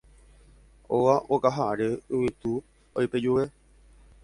Óga okaháre Yvytu oipejuve